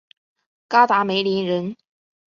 嘎达梅林人。